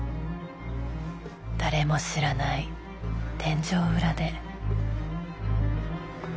誰も知らない天井裏で。